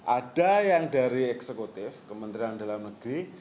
ada yang dari eksekutif kementerian dalam negeri